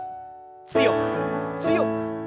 強く強く。